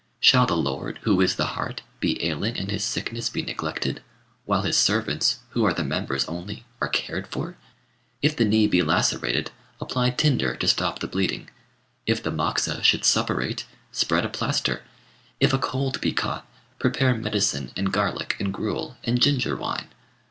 Shall the lord, who is the heart, be ailing and his sickness be neglected, while his servants, who are the members only, are cared for? If the knee be lacerated, apply tinder to stop the bleeding; if the moxa should suppurate, spread a plaster; if a cold be caught, prepare medicine and garlic and gruel, and ginger wine!